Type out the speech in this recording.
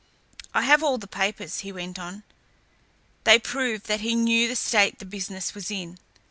"I have all the papers," he went on. "They prove that he knew the state the business was in.